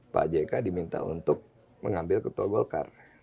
pak jk diminta untuk mengambil ketua golkar